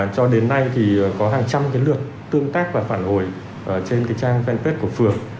cho đến nay thì có hàng trăm cái lượt tương tác và phản hồi trên cái trang fanpage của phường